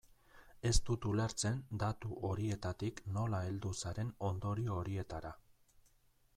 Ez dut ulertzen datu horietatik nola heldu zaren ondorio horietara.